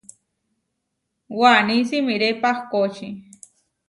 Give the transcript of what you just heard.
Waní simiré pahkóči.